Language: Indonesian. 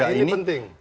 nah ini penting